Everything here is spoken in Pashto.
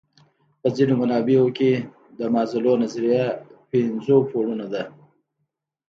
په ځینو منابعو کې د مازلو نظریه پنځو پوړونو ده.